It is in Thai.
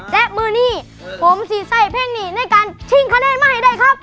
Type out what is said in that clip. และมือนี้ผมสีไส้เพลงนี้ในการชิงคะแนนมาให้ได้ครับ